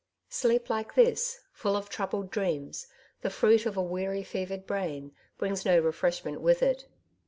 Sleep like this, full of troubled dreams, the fruit of a weary, fevered brain, brings no refreshment with it.